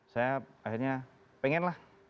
saya akhirnya pengen lah